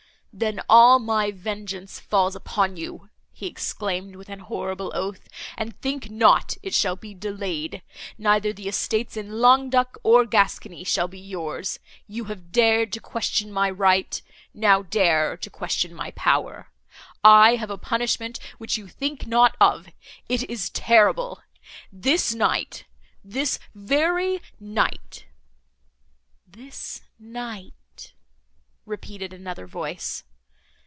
"Then all my vengeance falls upon you," he exclaimed, with a horrible oath. "And think not it shall be delayed. Neither the estates in Languedoc, nor Gascony, shall be yours; you have dared to question my right,—now dare to question my power. I have a punishment which you think not of; it is terrible! This night—this very night—" "This night!" repeated another voice.